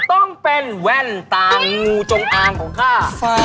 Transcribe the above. ต้องเป็นแว่นตามงูจงอางของข้า